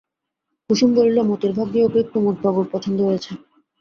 কুসুম বলিল, মতির ভাগ্যি ওকে কুমুদবাবুর পছন্দ হয়েছে।